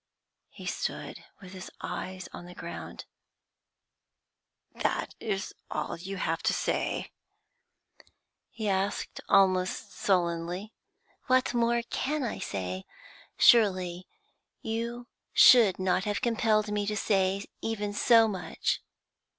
He stood with his eyes on the ground. 'That is all you have to say?' he asked, almost sullenly. 'What more can I say? Surely you should not have compelled me to say even so much.